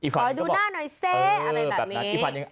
ขอดูหน้าหน่อยสิอะไรแบบนี้